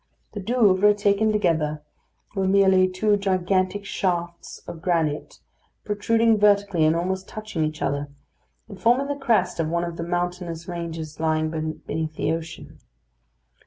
The Douvres, taken together, were merely two gigantic shafts of granite protruding vertically and almost touching each other, and forming the crest of one of the mountainous ranges lying beneath the ocean.